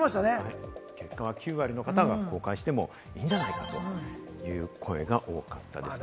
９割の方が公開してもいいんじゃないかという声が多かったですね。